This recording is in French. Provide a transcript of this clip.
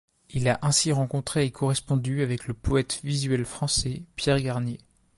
Il a ainsi rencontré et correspondu avec le poète visuel français Pierre Garnier.